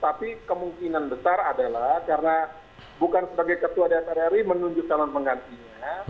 tapi kemungkinan besar adalah karena bukan sebagai ketua dpr ri menunjukkan orang menggantinya